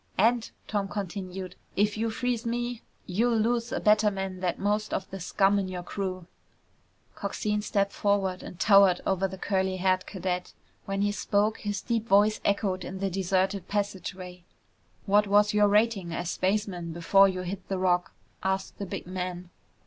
"And," Tom continued, "if you freeze me, you'll lose a better man than most of the scum in your crew!" Coxine stepped forward and towered over the curly haired cadet. When he spoke, his deep voice echoed in the deserted passageway. "What was your rating as spaceman before you hit the Rock?" asked the big man.